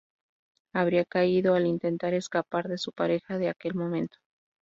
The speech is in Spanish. Habría caído al intentar escapar de su pareja de aquel momento.